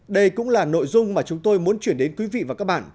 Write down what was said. đây cũng là nội dung mà chúng tôi muốn chuyển đến quý vị và các bạn